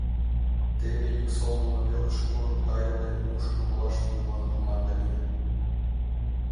Теве йӱк солнымо велыш курык тайыл дене нушкын волаш нунылан команда лие.